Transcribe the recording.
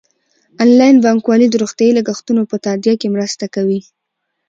انلاین بانکوالي د روغتیايي لګښتونو په تادیه کې مرسته کوي.